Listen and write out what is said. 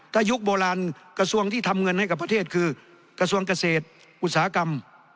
ถ้ายุคโบราณกระทรวงที่ทำเงินให้กับประเทศคือกระทรวงเกษตรอุตสาหกรรม